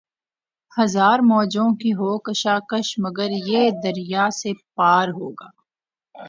ہزار موجوں کی ہو کشاکش مگر یہ دریا سے پار ہوگا